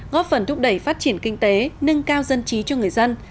góp phần thúc đẩy phát triển kinh tế nâng cao dân trí cho người dân